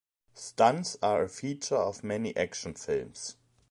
Stunts are a feature of many action films.